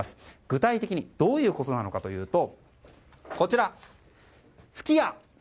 具体的にどういうことなのかというと。